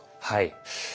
はい。